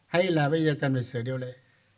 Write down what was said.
hay là bây giờ cần phải sửa điều lệ